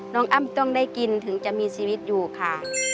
อ้ำต้องได้กินถึงจะมีชีวิตอยู่ค่ะ